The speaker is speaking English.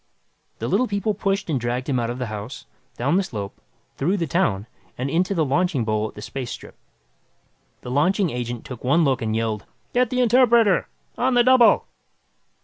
The Little People pushed and dragged him out of the house, down the slope, through the town and into the launching bowl at the space strip. The launching agent took one look and yelled, "Get the interpreter! On the double!"